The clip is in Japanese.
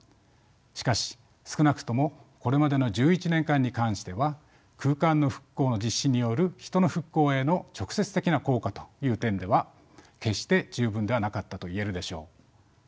しかし少なくともこれまでの１１年間に関しては空間の復興の実施による人の復興への直接的な効果という点では決して十分ではなかったと言えるでしょう。